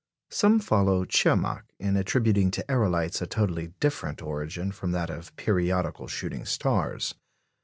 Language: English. Some follow Tschermak in attributing to aerolites a totally different origin from that of periodical shooting stars.